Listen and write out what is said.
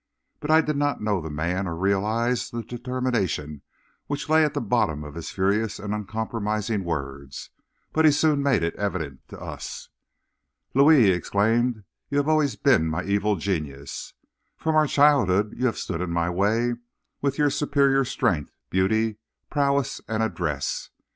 But I did not know the man, or realize the determination which lay at the bottom of his furious and uncompromising words. But he soon made it evident to us. "'Louis,' he exclaimed, 'you have always been my evil genius. From our childhood you have stood in my way with your superior strength, beauty, prowess and address.